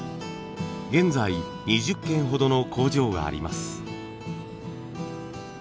現在２０軒ほどの工場があります。